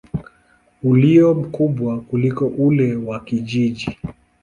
ulio mkubwa kuliko ule wa kijiji.